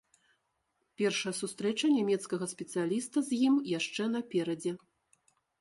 Першая сустрэча нямецкага спецыяліста з ім яшчэ наперадзе.